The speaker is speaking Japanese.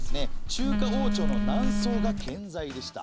中華王朝の南宋が健在でした。